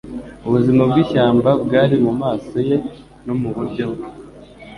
Ubuzima bwishyamba bwari mumaso ye no muburyo bwe